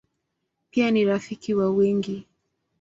Pia ni rafiki wa wengi.